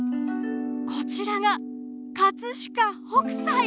こちらが飾北斎！